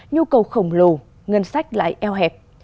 nhu cầu khổng lồ ngân sách lại eo hẹp